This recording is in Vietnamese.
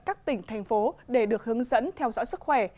các tỉnh thành phố để được hướng dẫn theo dõi sức khỏe